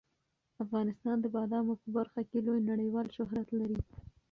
افغانستان د بادامو په برخه کې لوی نړیوال شهرت لري.